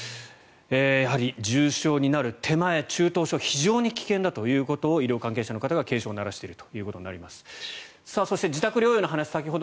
やはり重症になる手前、中等症非常に危険だということを医療関係者の方が警鐘を鳴らしていると。